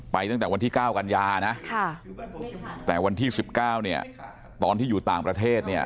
ไปตั้งแต่วันที่๙กันยาแต่วันที่๑๙ตอนที่อยู่ต่างประเทศ